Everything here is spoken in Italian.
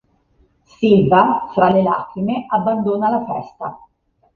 Silva, fra le lacrime, abbandona la festa.